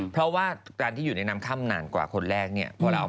เพราะว่าการที่อยู่ในน้ำค่ำนานกว่าคนแรกเนี่ย